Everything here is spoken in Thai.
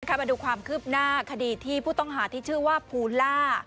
มาดูความคืบหน้าคดีที่ผู้ต้องหาที่ชื่อว่าภูล่า